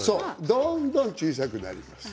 どんどん小さくなります。